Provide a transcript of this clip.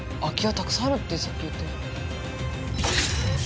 たくさんあるってさっき言って。